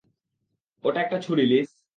ওটা একটা ছুরি, লিস।